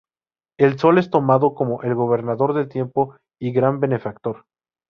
El sol es tomado como el gobernador del tiempo y gran benefactor.